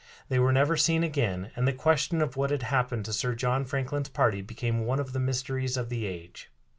They were never seen again, and the question of what had happened to Sir John Franklin's party became one of the mysteries of the age.